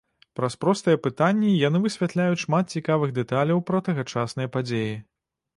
Праз простыя пытанні яны высвятляюць шмат цікавых дэталяў пра тагачасныя падзеі.